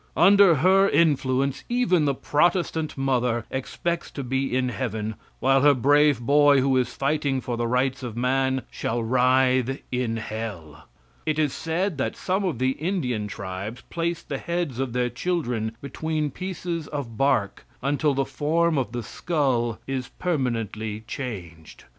Under her influence even the Protestant mother expects to be in heaven, while her brave boy, who is fighting for the rights of man, shall writhe in hell. It is said that some of the Indian tribes place the heads of their children between pieces of bark until the form of the skull is permanently changed.